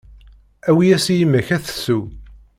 Awi-yas i yemma-k ad tsew.